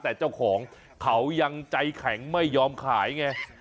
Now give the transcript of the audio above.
แต่เจ้าของเขายังใจแข็งไม่ยอมขายไง